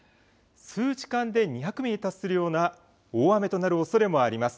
数時間で２００ミリに達するような大雨となるおそれもあります。